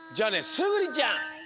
すぐりちゃん